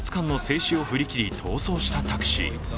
警察官の制止を振り切り逃走したタクシー。